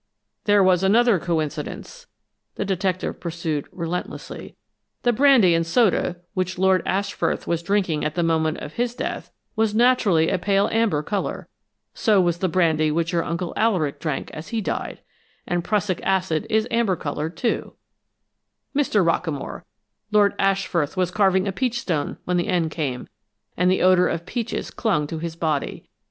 "There was another coincidence." The detective pursued relentlessly. "The brandy and soda, which Lord Ashfrith was drinking at the moment of his death, was naturally a pale amber color. So was the brandy which your Uncle Alaric drank as he died. And prussic acid is amber colored, too, Mr. Rockamore! Lord Ashfrith was carving a peach stone when the end came, and the odor of peaches clung to his body.